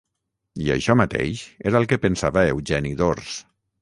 I això mateix era el que pensava Eugeni d'Ors.